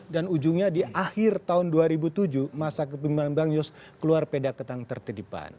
dan ujungnya di akhir tahun dua ribu tujuh masa kebimbangan bang yos keluar peda ketang tertidipan